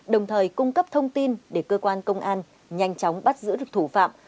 đồng thời cung cấp thông tin để cơ quan công an nhanh chóng bắt giữ được thủ phạm